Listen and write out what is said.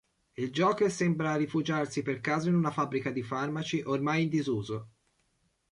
Il Joker sembra rifugiarsi per caso in una fabbrica di farmaci ormai in disuso.